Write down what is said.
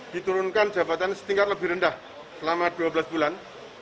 diturunkan jabatan setingkat lebih rendah selama dua belas bulan